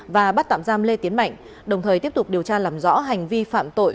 và bắt tạm giam lê tiến mạnh đồng thời tiếp tục điều tra làm rõ hành vi phạm tội